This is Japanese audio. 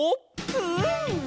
うん！